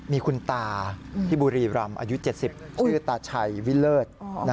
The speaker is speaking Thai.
มีคุณตาที่บุรีรำอายุ๗๐ชื่อตาชัยวิเลิศ